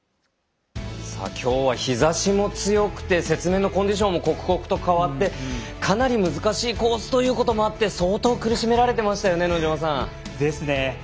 きょうは、日ざしも強くて雪面のコンディションも刻々と変わってかなり難しいコースということもあって相当、苦しめられていましたよね。ですね。